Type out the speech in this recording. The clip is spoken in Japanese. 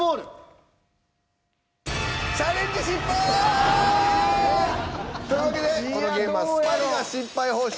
チャレンジ失敗！というわけでこのゲームはスパイが失敗報酬